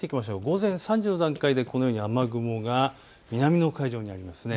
午前３時の段階で雨雲が南の海上にあります。